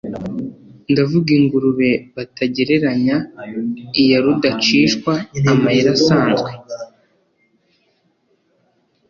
Ndavuga ingurube batagereranya Iya rudacishwa amayira asanzwe